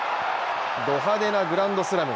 ド派手なグランドスラム。